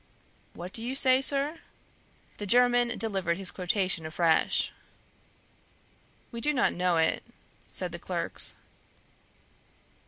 '" "What do you say, sir?" The German delivered his quotation afresh. "We do not know it," said the clerks.